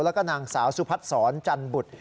แล้วก็นางสาวสุพัฒนศรจันบุตร